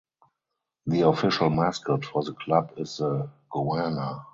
The official mascot for the club is the goanna.